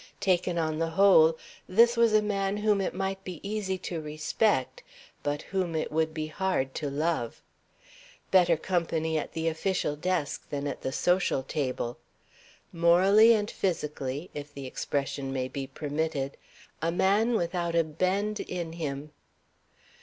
Taken on the whole, this was a man whom it might be easy to respect, but whom it would be hard to love. Better company at the official desk than at the social table. Morally and physically if the expression may be permitted a man without a bend in him.